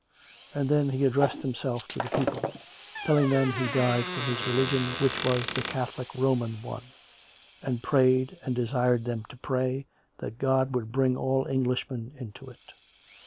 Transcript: And then he addressed him self to the people, telling them he died for his religion, which was the Catholic Roman one, and prayed, and de sired them to Jgray, that God would bring all Englishmen 104 COME RACK! COME ROPE! into it.